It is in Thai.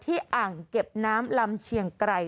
อ่างเก็บน้ำลำเชียงไกร